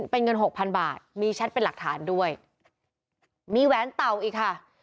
เป็นเงินหกพันบาทมีแชทเป็นหลักฐานด้วยมีแหวนเต่าอีกค่ะ